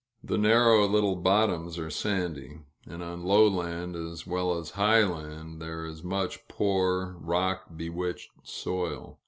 The narrow little bottoms are sandy; and on lowland as well as highland there is much poor, rock bewitched soil.